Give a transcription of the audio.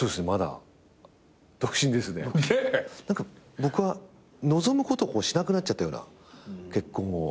僕は望むことをしなくなっちゃったような結婚を。